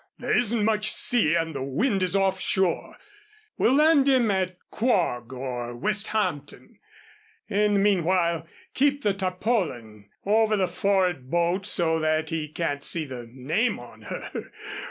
There isn't much sea and the wind is offshore. We'll land him at Quogue or Westhampton. In the meanwhile, keep the tarpaulin over the for'ard boat so that he can't see the name on her.